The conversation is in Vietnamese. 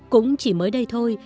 cũng chỉ mới đây thôi